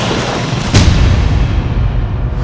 aku mau ke rumah